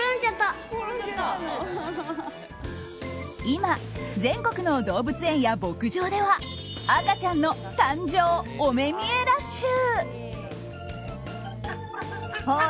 今、全国の動物園や牧場では赤ちゃんの誕生お目見えラッシュ！